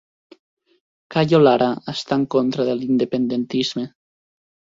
Cayo Lara està en contra de l'independentisme